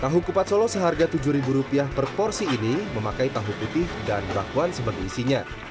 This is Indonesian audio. tahu kupat solo seharga rp tujuh per porsi ini memakai tahu putih dan bakwan sebagai isinya